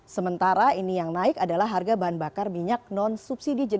sementara ini yang naik adalah harga bahan bakar minyak non subsidi jenis ron sembilan puluh dua